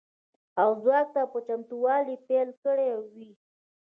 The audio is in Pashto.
او ځواب ته په چتموالي پیل کړی وي.